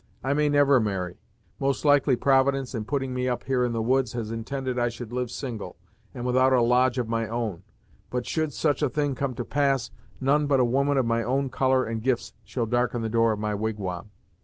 I may never marry; most likely Providence in putting me up here in the woods, has intended I should live single, and without a lodge of my own; but should such a thing come to pass, none but a woman of my own colour and gifts shall darken the door of my wigwam.